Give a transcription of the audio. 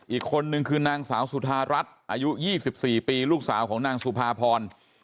อีกคนนึงคือนางสาวสุธารัฐอายุ๒๔ปีลูกสาวของนางสุภาพร